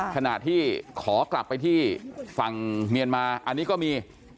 ขณะที่ขอกลับไปที่ฝั่งเมียนมาอันนี้ก็มี